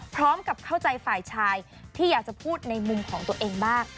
พร้อมกับเข้าใจฝ่ายชายที่อยากจะพูดในมุมของตัวเองบ้าง